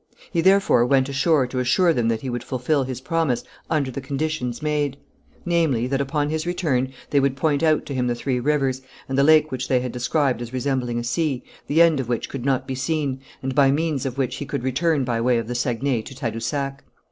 He therefore went ashore to assure them that he would fulfil his promise under the conditions made, namely, that upon his return they would point out to him the three rivers, and the lake which they had described as resembling a sea, the end of which could not be seen, and by means of which he could return by way of the Saguenay to Tadousac.